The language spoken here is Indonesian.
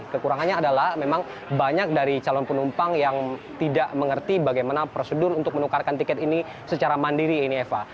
kekurangannya adalah memang banyak dari calon penumpang yang tidak mengerti bagaimana prosedur untuk menukarkan tiket ini secara mandiri ini eva